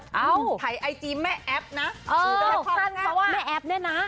ถ่ายไอจีแม่แอปนะถือได้ความแซ่บ